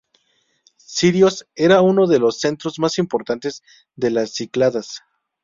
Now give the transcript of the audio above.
Siros era uno de los centros más importantes de las Cícladas.